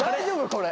これ。